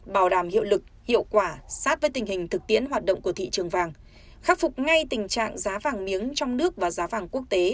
bảo đảm hiệu lực hiệu quả sát với tình hình thực tiễn hoạt động của thị trường vàng khắc phục ngay tình trạng giá vàng miếng trong nước và giá vàng quốc tế